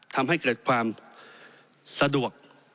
ทำให้เกิดความสะดวก